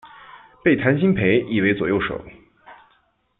被谭鑫培倚为左右手。